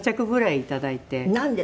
なんで？